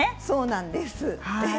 そうなんです。